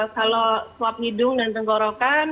kalau swab hidung dan tenggorokan